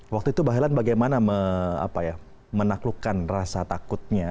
waktu itu mbak helan bagaimana menaklukkan rasa takutnya